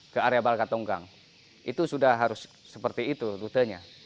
ke area bakar tongkang itu sudah harus seperti itu lutanya